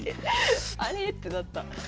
あれってなった。